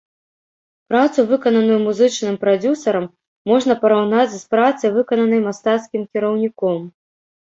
Працу, выкананую музычным прадзюсарам, можна параўнаць з працай, выкананай мастацкім кіраўніком.